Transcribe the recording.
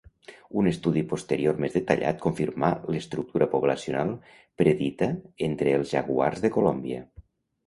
Un estudi posterior més detallat confirmà l'estructura poblacional predita entre els jaguars de Colòmbia.